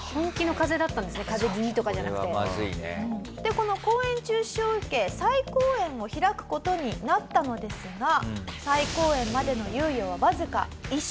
この公演中止を受け再公演を開く事になったのですが再公演までの猶予はわずか１週間。